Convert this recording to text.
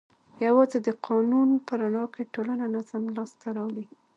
یوازې د قانون په رڼا کې ټولنه نظم لاس ته راوړي.